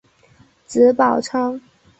子宝昌。